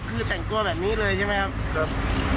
คือแต่งตัวแบบนี้เลยใช่ไหมครับ